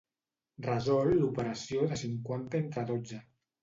Resol l'operació de cinquanta entre dotze.